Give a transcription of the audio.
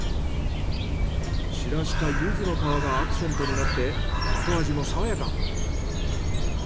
散らした柚子の皮がアクセントになって後味もさわやか。